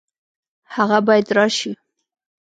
هغه باید راشي